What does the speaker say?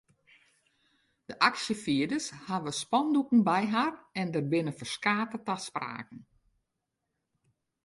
De aksjefierders hawwe spandoeken by har en der binne ferskate taspraken.